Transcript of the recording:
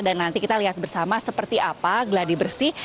dan nanti kita lihat bersama seperti apa geladi bersih